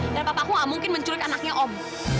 dan papa aku nggak mungkin menculik anaknya om